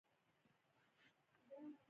زده کړه نجونو ته د کتاب لوستلو مینه ورکوي.